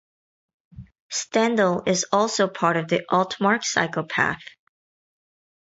Stendal is also part of the Altmark cycle path.